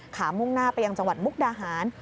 มุ่งหน้าไปยังจังหวัดมุกดาหาร